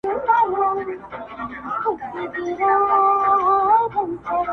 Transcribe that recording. ولاتونه به سي ډک له جاهلانو -